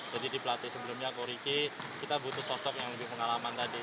jadi di pelati sebelumnya koriki kita butuh sosok yang lebih pengalaman tadi